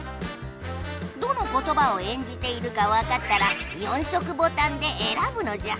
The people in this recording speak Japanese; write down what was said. どのことばを演じているかわかったら４色ボタンでえらぶのじゃ。